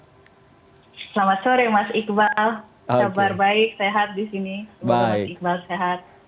selamat sore mas iqbal sabar baik sehat di sini